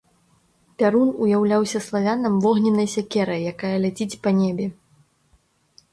Пярун уяўляўся славянам вогненнай сякерай, якая ляціць па небе.